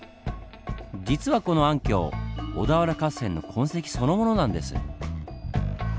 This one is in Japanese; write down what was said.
実はこの暗渠小田原合戦の痕跡そのものなんです。